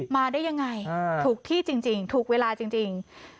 มาได้ยังไงถูกที่จริงถูกเวลาจริง